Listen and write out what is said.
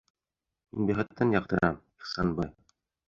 Мин бәхеттән яҡтырам, Ихсанбай!